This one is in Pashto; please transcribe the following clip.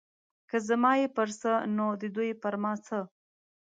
که زما یې پر څه نو د دوی پر ما څه.